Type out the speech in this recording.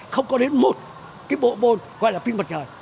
không có đến một cái bộ môn gọi là pin mặt trời